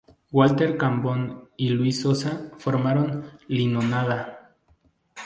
Walter Cambón y Luis Sosa formaron LimoNada.